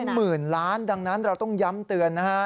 หมื่นล้านดังนั้นเราต้องย้ำเตือนนะฮะ